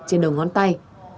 trên đầu ngón tay